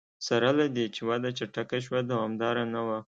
سره له دې چې وده چټکه شوه دوامداره نه وه.